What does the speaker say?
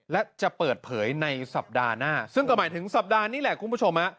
และจะเปิดเผยในสัปดาห์หน้าซึ่งก็หมายถึงสัปดาห์นี้แหละคุณผู้ชม